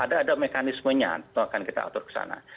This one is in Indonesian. ada mekanismenya yang akan kita atur ke sana